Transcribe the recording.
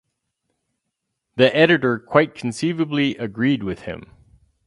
The editor quite conceivably agreed with him.